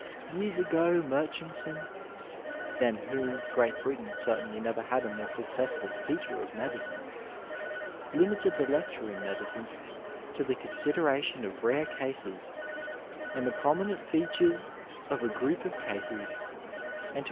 Years ago Murchison (than whom Great Britain certainly never had a more successful teacher of medicine) limited the lecture in medidne to the consideration of raze cases, smd the prominent features of a group of cases, and to ques* AE.